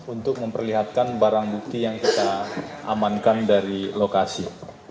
untuk memperlihatkan barang bukti yang kita amankan dari lokasi